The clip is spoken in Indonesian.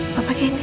mbak pakein ya